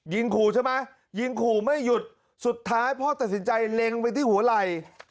ขู่ใช่ไหมยิงขู่ไม่หยุดสุดท้ายพ่อตัดสินใจเล็งไปที่หัวไหล่